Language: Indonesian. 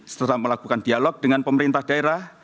setelah melakukan dialog dengan pemerintah daerah